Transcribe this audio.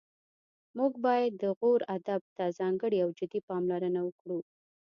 موږ باید د غور ادب ته ځانګړې او جدي پاملرنه وکړو